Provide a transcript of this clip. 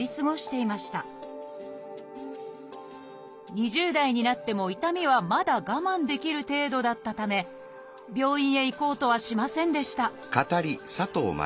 ２０代になっても痛みはまだ我慢できる程度だったため病院へ行こうとはしませんでした